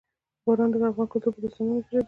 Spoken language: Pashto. باران د افغان کلتور په داستانونو کې راځي.